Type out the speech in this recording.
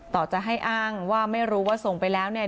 ต่อจะให้อ้างว่าไม่รู้ว่าส่งไปแล้วเนี่ย